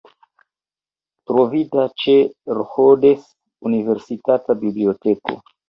Trovita ĉe Rhodes Universitata Biblioteko.